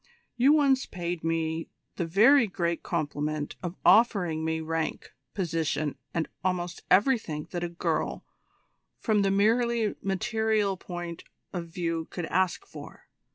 You once paid me the very great compliment of offering me rank, position, and almost everything that a girl, from the merely material point of view could ask for.